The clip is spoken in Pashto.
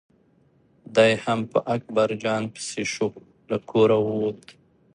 دی هم په اکبر جان پسې شو له کوره ووت.